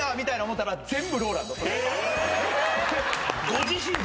ご自身の？